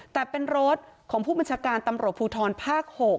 แต่เป็นรถของผู้บัญชาการตำรวจภูทรภาค๖